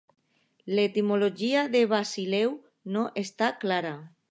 L'etimologia de "basileu" no està clara.